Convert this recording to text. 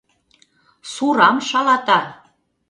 Сурам шалата!..